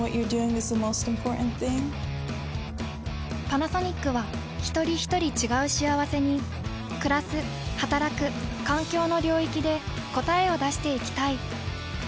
パナソニックはひとりひとり違う幸せにくらすはたらく環境の領域で答えを出していきたい。